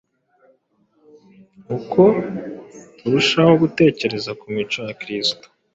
Uko turushaho gutekereza ku mico ya Kristo,